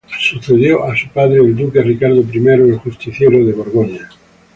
Sucedió a su padre el duque Ricardo I el Justiciero de Borgoña.